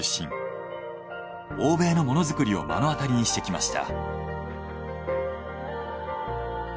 欧米のものづくりを目の当たりにしてきました。